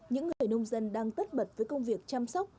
những người nông dân đang tất bật với công việc chăm sóc